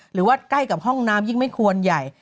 หรือว่าใกล้กับห้องน้ำยิ่งไม่ควรใหญ่